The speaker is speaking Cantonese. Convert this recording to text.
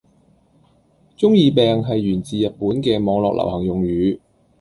中二病係源自日本嘅網絡流行用語